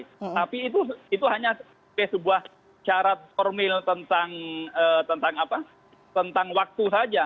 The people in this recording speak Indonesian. tapi itu hanya sebagai sebuah syarat formil tentang waktu saja